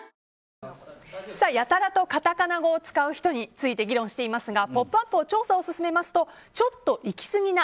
やたらとカタカナ語を使う人について議論していますが「ポップＵＰ！」が調査を進めますとちょっといきすぎな